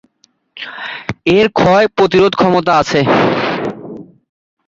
এর ক্ষয় প্রতিরোধ ক্ষমতা আছে।